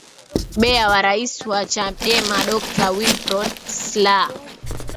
bea wa rais wa chadema dokta wilprod slaah